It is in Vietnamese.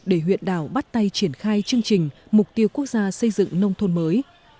để huyện đảo bắt tay triển khai chương trình mục tiêu quốc gia xây dựng nông thôn mới